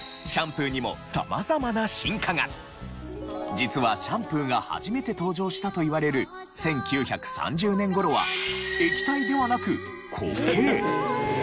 実はシャンプーが初めて登場したといわれる１９３０年頃は液体ではなく固形。